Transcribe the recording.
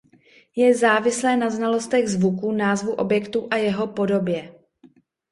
Je závislé na znalostech zvuku názvu objektu a jeho podobě.